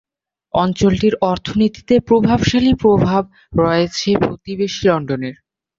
অঞ্চলটির অর্থনীতিতে প্রভাবশালী প্রভাব রয়েছে প্রতিবেশী লন্ডনের।